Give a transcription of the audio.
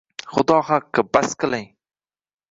Xudo haqqi, bas qiling!